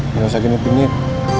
ya usah gini pingin